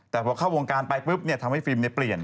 แต่พอเข้าวงการไปปุ๊บเนี่ยทำให้ฟรีมเนี่ยเปลี่ยน